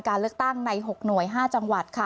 การเลือกตั้งใน๖หน่วย๕จังหวัดค่ะ